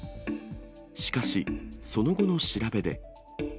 しかし、その後の調べで。